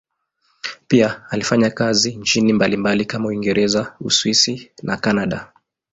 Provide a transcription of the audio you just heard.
Pia alifanya kazi nchini mbalimbali kama Uingereza, Uswisi na Kanada.